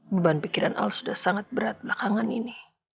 beban pikiran al sudah sangat berat belakangan ini